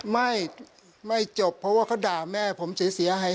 ไม่ไม่จบเพราะว่าเขาด่าแม่ผมเสียหาย